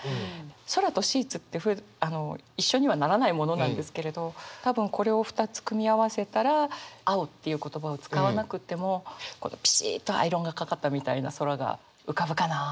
「空」と「シーツ」って一緒にはならないものなんですけれど多分これを２つ組み合わせたら「青」っていう言葉を使わなくてもぴしーっとアイロンがかかったみたいな空が浮かぶかなあ。